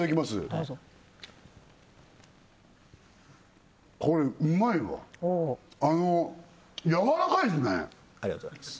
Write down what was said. どうぞこれうまいわあのやわらかいっすねありがとうございます